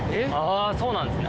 あそうなんですね。